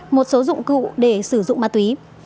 một số dụng cụ để sử dụng ma túy